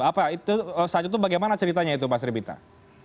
apa itu saat itu bagaimana ceritanya itu pak sriwita